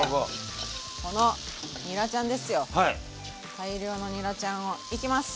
大量のにらちゃんをいきます！